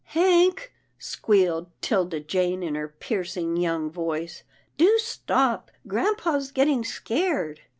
" Hank," squealed 'Tilda Jane in her piercing, young voice, " do stop, grampa's getting scared."